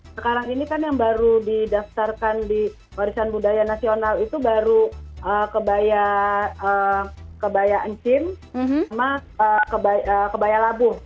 sekarang ini kan yang baru didaftarkan di warisan budaya nasional itu baru kebaya encim sama kebaya labuh